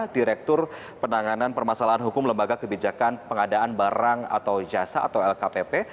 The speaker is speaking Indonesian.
direktur penanganan permasalahan hukum lembaga kebijakan pengadaan barang atau jasa atau lkpp